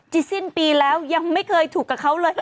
สิ้นปีแล้วยังไม่เคยถูกกับเขาเลย